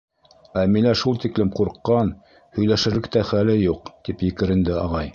— Әмилә шул тиклем ҡурҡҡан, һөйләшерлек тә хәле юҡ. — тип екеренде ағай.